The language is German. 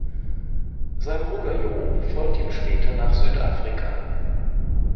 Sein Bruder Joop folgte ihm später nach Südafrika.